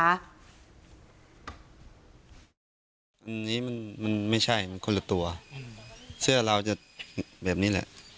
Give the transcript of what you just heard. อันนี้มันไม่ใช่มันคนละตัวเสื้อเราจะแบบนี้แหละ